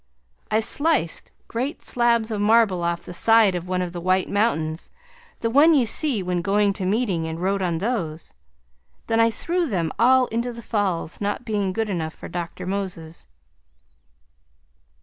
I sliced great slabs of marble off the side of one of the White Mountains, the one you see when going to meeting, and wrote on those. Then I threw them all into the falls, not being good enough for Dr. Moses.